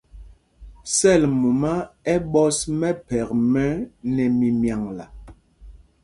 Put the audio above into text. Sɛl mumá ɛ ɓɔs mɛphɛk mɛ́ nɛ mimyaŋla.